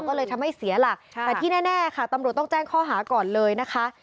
ก็เลยทำให้เสียหลักแต่ที่แน่ค่ะตำรวจต้องแจ้งข้อหาก่อนเลยนะคะ